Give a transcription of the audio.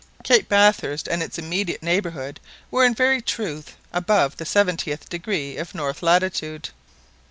Cape Bathurst and its immediate neighbourhood were in very truth above the seventieth degree of north latitude.